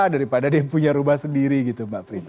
daripada dia punya rumah sendiri gitu mbak prita